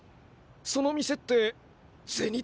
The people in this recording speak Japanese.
その店って銭天堂？